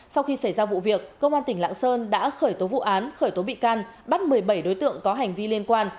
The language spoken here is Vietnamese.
sau khi xảy ra vụ việc công an tỉnh lạng sơn đã khởi tố vụ án khởi tố bị can bắt một mươi bảy đối tượng có hành vi liên quan